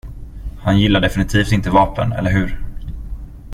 Han gillar definitivt inte vapen, eller hur?